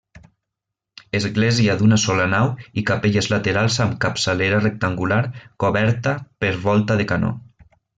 Església d'una sola nau i capelles laterals amb capçalera rectangular, coberta per volta de canó.